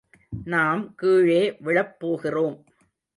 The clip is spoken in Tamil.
நாம் கீழே விழப் போகிறோம்.